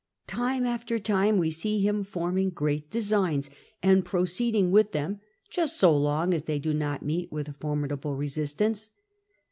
Time after time we see him forming great de signs, and proceeding with them just so long as they do not meet with formidable resistance.